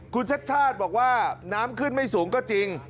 คุณชัดชาติบอกว่าน้ำขึ้นไม่สูงก็จริง